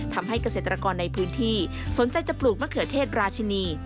ทำให้เกษตรกรในพื้นที่สนใจจะปลูกมะเขือเทศราชินี